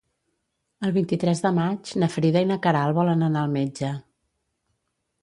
El vint-i-tres de maig na Frida i na Queralt volen anar al metge.